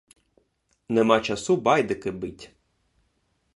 Нема часу байдики бить.